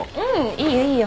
いいよいいよ。